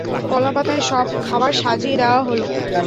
কলাপাতায় সব খাবার সাজিয়ে দেওয়া হলো।